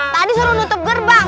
tadi suruh nutup gerbang